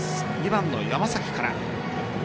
２番の山崎から。